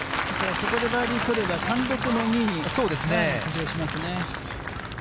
ここでバーディー取れば、単独の２位に浮上しますね。